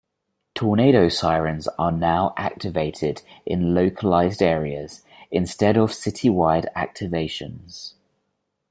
Tornado sirens are now activated in localized areas, instead of citywide activations.